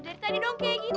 ay dari tadi dong kayak gitu